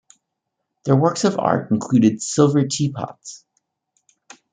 Their works of art included silver teapots.